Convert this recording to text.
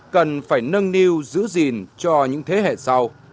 cần phải nâng niu giữ gìn cho những thế hệ sau